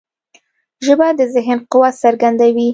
ژبه د ذهن قوت څرګندوي